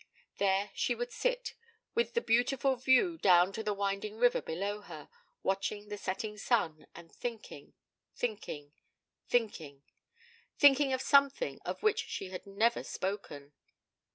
There she would sit, with the beautiful view down to the winding river below her, watching the setting sun, and thinking, thinking, thinking thinking of something of which she had never spoken.